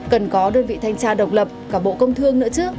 cần có đơn vị thanh tra độc lập cả bộ công thương nữa trước